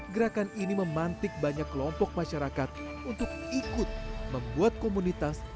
gerakan ini memantik banyak kelompok masyarakat untuk ikut membuat komunitas